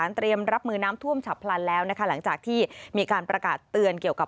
เตรียมรับมือน้ำท่วมฉับพลันแล้วนะคะหลังจากที่มีการประกาศเตือนเกี่ยวกับ